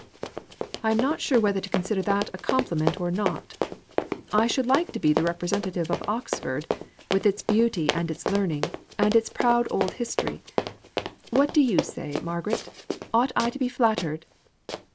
"I am not sure whether to consider that as a compliment or not. I should like to be the representative of Oxford, with its beauty and its learning, and its proud old history. What do you say, Margaret; ought I to be flattered?"